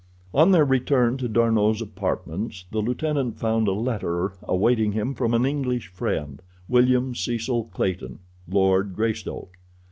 On their return to D'Arnot's apartments the lieutenant found a letter awaiting him from an English friend, William Cecil Clayton, Lord Greystoke.